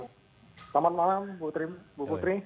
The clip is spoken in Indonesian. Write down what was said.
selamat malam bu putri